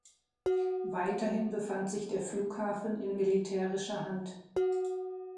Weiterhin befand sich der Flughafen in militärischer Hand.